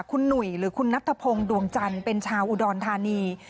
คุณหนุ่ยหรือคุณนัทธพงศ์ดวงจันทร์เป็นชาวอุดรธานี